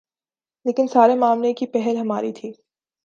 لیکن سارے معاملے کی پہل ہماری تھی۔